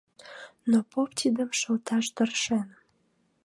Но поп тидым шылташ тыршен.